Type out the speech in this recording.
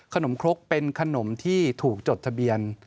ครกเป็นขนมที่ถูกจดทะเบียน